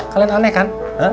kalian aneh kan